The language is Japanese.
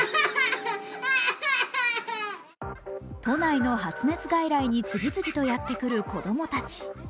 都内の発熱外来に次々とやってくる子供たち。